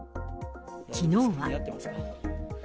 きのうは。